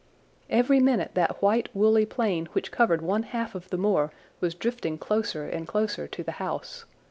Every minute that white woolly plain which covered one half of the moor was drifting closer and closer to the house.